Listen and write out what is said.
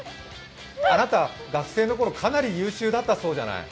あなた、学生の頃、かなり優秀だったそうじゃない？